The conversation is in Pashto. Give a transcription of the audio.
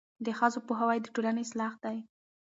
د ښځو پوهاوی د ټولنې اصلاح ده.